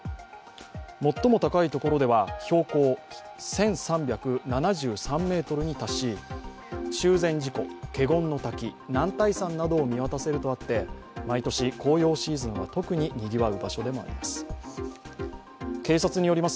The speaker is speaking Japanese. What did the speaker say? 最も高い所では標高１３７３ｍに達し、中禅寺湖、華厳滝、男体山などを見渡せるとあって毎年、紅葉シーズンは特ににぎわう場所でもあります。